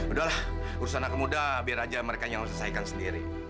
udah lah urusan aku muda biar aja mereka yang selesaikan sendiri